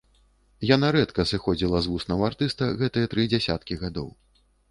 Яна рэдка сыходзіла з вуснаў артыста гэтыя тры дзясяткі гадоў.